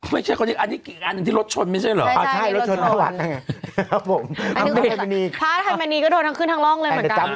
ไม่ใช่อันนี้อันนึงที่รถชนมันใช่หรอพระอภัยมันนี่ก็โดดทั้งขึ้นทางล่องเลยเหมือนกัน